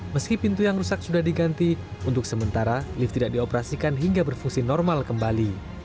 meski pintu yang rusak sudah diganti untuk sementara lift tidak dioperasikan hingga berfungsi normal kembali